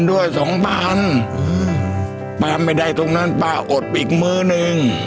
ด้วยสองบ้านป้าไม่ได้ตรงนั้นป้าอดอีกมือนึง